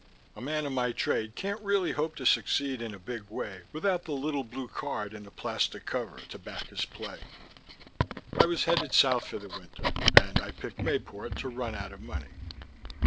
A man in my trade can't really hope to succeed in a big way without the little blue card in the plastic cover to back his play. I was headed south for the winter, and I picked Mayport to run out of money."